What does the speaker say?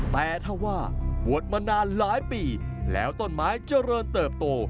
แต่ถ้าว่าบวชมานานหลายปีแล้วต้นไม้เจริญเติบโต